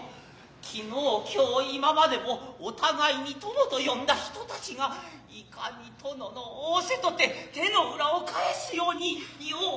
昨日今日今までもお互に友と呼んだ人たちがいかに殿の仰せとて手の裏を反すやうによう